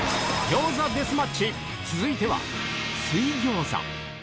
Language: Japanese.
餃子デスマッチ、続いては水餃子。